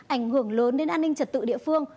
ảnh hưởng lớn đến an ninh trật tự địa phương